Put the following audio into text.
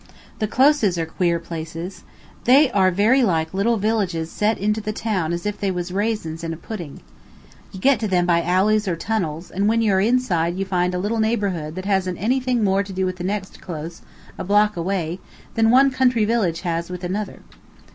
The closes are queer places. They are very like little villages set into the town as if they was raisins in a pudding. You get to them by alleys or tunnels, and when you are inside you find a little neighborhood that hasn't anything more to do with the next close, a block away, than one country village has with another.